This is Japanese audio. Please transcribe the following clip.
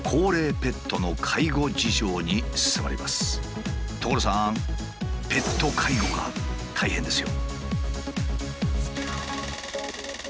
ペット介護が大変ですよ。